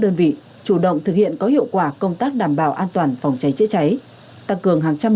đơn vị chủ động thực hiện có hiệu quả công tác đảm bảo an toàn phòng cháy chữa cháy tăng cường hàng trăm